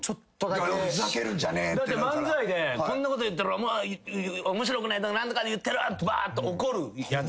だって漫才でこんなこと言ったら面白くないとか何とかで言ってやるわばーっと怒るやつ。